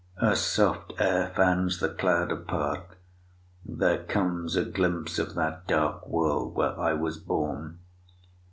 A soft air fans the cloud apart; there comes A glimpse of that dark world where I was born.